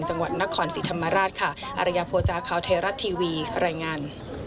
จังหวัดแน่ความสีทำราชคะอะไรงาน